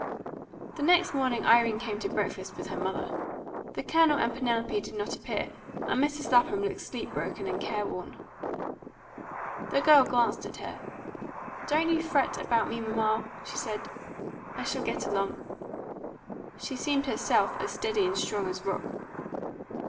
The next morning Irene came to breakfast with her mother; the Colonel and Penelope did not appear, and Mrs. Lapham looked sleep broken and careworn. The girl glanced at her. "Don't you fret about me, mamma," she said. "I shall get along." She seemed herself as steady and strong as rock.